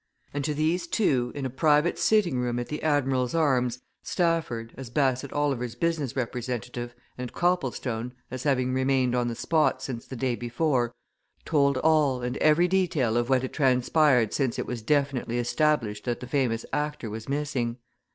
And to these two, in a private sitting room at the "Admiral's Arms," Stafford, as Bassett Oliver's business representative, and Copplestone, as having remained on the spot since the day before, told all and every detail of what had transpired since it was definitely established that the famous actor was missing.